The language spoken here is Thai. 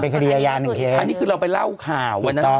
เป็นคดียาย่านหนึ่งอันนี้คือเราไปเล่าข่าวอันนั้นคือ